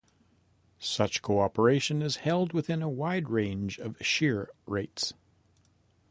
Such cooperation is held within a wide range of shear rates.